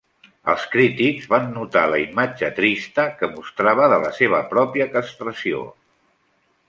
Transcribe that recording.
Els crítics van notar la imatge trista que mostrava de la seva pròpia castració.